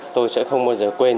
tôi sẽ không bao giờ quên